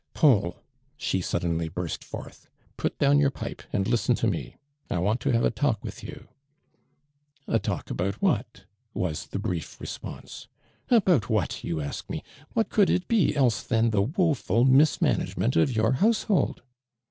* "Paul," she suddenly burst forth, ' put down your pipe and listen to me. J want to have a tulkwith you.'' "A talk about what?" was the brief res ponse. "About what, you a.sk m* ! What could it be else than the woful mismanagement of your household